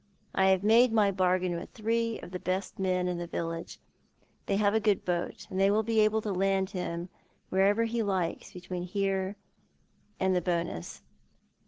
I have made my bargain with three of the best men in the village. They have a good boat, and they will bo able to land him wherever he likes between here and Bowncss.